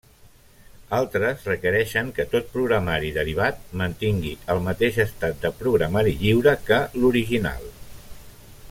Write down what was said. Altres requereixen que tot programari derivat mantingui el mateix estat de programari lliure que l'original.